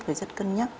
phải rất cân nhắc